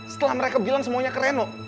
setelah mereka bilang semuanya ke reno